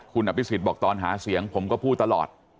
คุณอภิษฎบอกตอนหาเสียงผมก็พูดตลอด